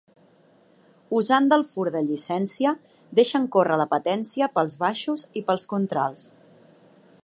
Usant del fur de llicència, deixen córrer l'apetència pels baixos i pels contralts.